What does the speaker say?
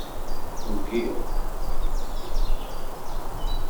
Ugiɣ.